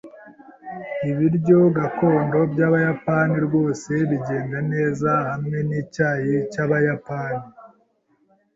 Ibiryo gakondo byabayapani rwose bigenda neza hamwe nicyayi cyabayapani.